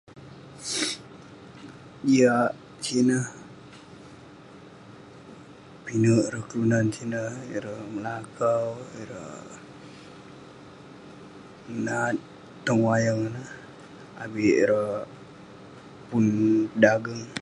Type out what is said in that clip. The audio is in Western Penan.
Jiak sineh, pinek ireh kelunan sineh, ireh ngelakau, ireh menat tong wayang ineh, avik ireh..pun dageng..